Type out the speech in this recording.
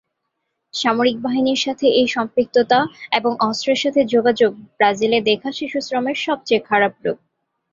সামরিক বাহিনীর সাথে এই সম্পৃক্ততা এবং অস্ত্রের সাথে যোগাযোগ ব্রাজিলে দেখা শিশুশ্রমের সবচেয়ে খারাপ রূপ।